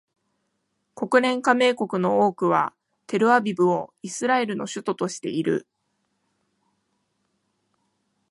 国連加盟国の多くはテルアビブをイスラエルの首都としている